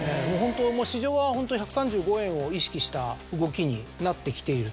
市場はホント１３５円を意識した動きになってきている。